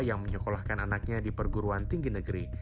yang menyekolahkan anaknya di perguruan tinggi negeri